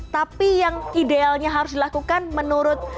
tapi yang idealnya harus dilakukan menurut